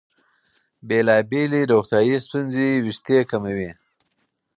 بېلابېلې روغتیايي ستونزې وېښتې کموي.